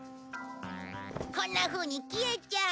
こんなふうに消えちゃう。